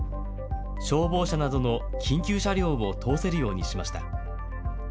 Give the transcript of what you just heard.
消防車などの緊急車両を通せるようにしました。